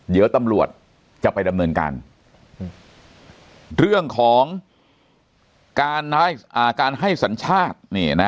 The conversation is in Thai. เดี๋ยวตำรวจจะไปดำเนินการเรื่องของการให้สัญชาติ